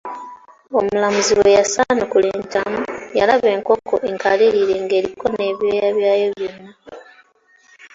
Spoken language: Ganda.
Omulamuzi bwe yasanukula entamu, yalaba enkonko enkalirire ng'eriko ne byooya byayo byona!